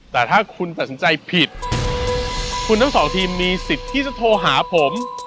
แต่ถ้าคุณตัดสินใจผิดคุณทั้งสองทีมมีสิทธิ์ที่จะโทรหาผม